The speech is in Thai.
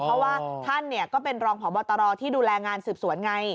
เพราะว่าท่านก็เป็นรองพบตรที่ดูแลงานสืบสวนไง